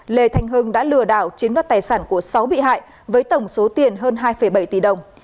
lê thanh hưng đã lừa đảo chiếm đoạt tài sản của sáu bị hại với tổng số tiền hơn hai bảy tỷ đồng